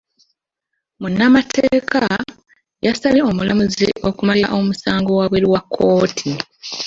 Munnamateeka yasabye omulamuzi okumalira omusango wabweru wa kkooti.